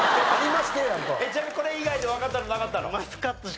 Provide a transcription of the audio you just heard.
ちなみにこれ以外でわかったのなかったの？